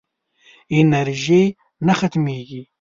انرژي نه ختمېږي.